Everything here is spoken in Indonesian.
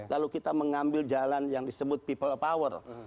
lalu kita mengambil jalan yang disebut people power